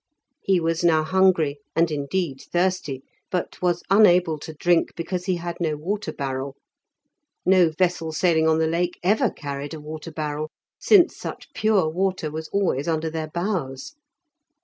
He was now hungry, and indeed thirsty, but was unable to drink because he had no water barrel. No vessel sailing on the Lake ever carried a water barrel, since such pure water was always under their bows.